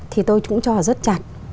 thì tôi cũng cho là rất chặt